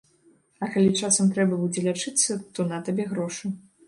А калі часамі трэба будзе лячыцца, то на табе грошы.